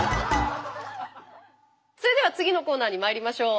それでは次のコーナーにまいりましょう。